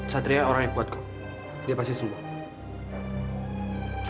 satria orang yang kuat kok dia pasti sembuh